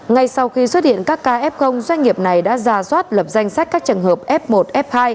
ngay sau khi xuất hiện các ca f doanh nghiệp này đã ra soát lập danh sách các trường hợp f một f hai